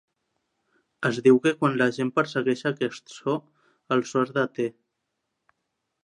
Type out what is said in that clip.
Es diu que quan la gent persegueix aquest so, el so es deté.